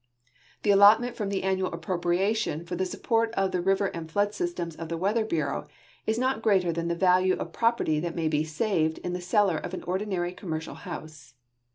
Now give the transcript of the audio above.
The allotment from the annual appropriation for the support of the river and flood system of the Weather Bureau is not greater than the A'alue of property that may be saA'ed in the cellar of an ordinary commercial house.